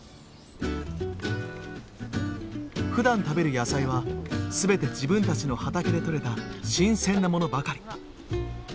ふだん食べる野菜はすべて自分たちの畑でとれた新鮮なものばかり。